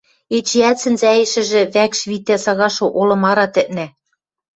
эчеӓт сӹнзӓэшӹжӹ вӓкш витӓ сагашы олым ара тӹкнӓ...